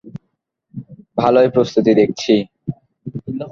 ভালোই প্রস্তুতি দেখছি?